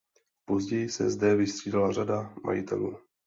Později se zde vystřídala řada majitelů.